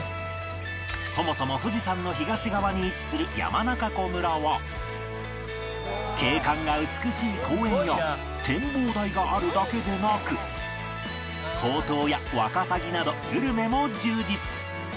そもそも富士山の東側に位置する山中湖村は景観が美しい公園や展望台があるだけでなくほうとうやワカサギなどグルメも充実